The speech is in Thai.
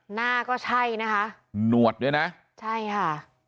หน้าก็ใช่นะคะหนวดด้วยนะใช่ค่ะ